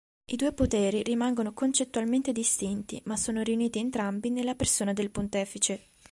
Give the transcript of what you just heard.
I due poteri rimangono concettualmente distinti, ma sono riuniti entrambi nella persona del pontefice.